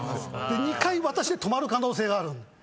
２回私で止まる可能性がある。